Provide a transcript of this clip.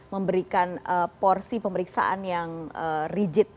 memberikan porsi pemeriksaan yang rigid